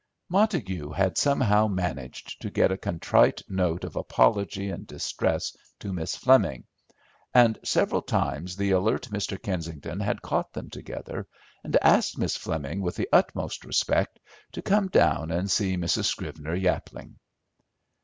Montague had somehow managed to get a contrite note of apology and distress to Miss Fleming, and several times the alert Mr. Kensington had caught them together, and asked Miss Fleming with the utmost respect to come down and see Mrs. Scrivener Yapling.